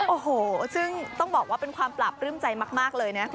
โอ้โหซึ่งต้องบอกว่าเป็นความปราบปลื้มใจมากเลยนะ